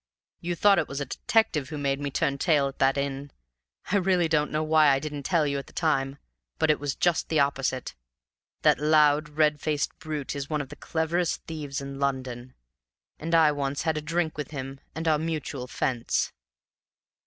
You thought it was a detective who made me turn tail at that inn. I really don't know why I didn't tell you at the time, but it was just the opposite. That loud, red faced brute is one of the cleverest thieves in London, and I once had a drink with him and our mutual fence.